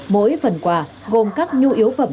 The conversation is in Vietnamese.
mỗi phần quà gồm các nhu yếu phẩm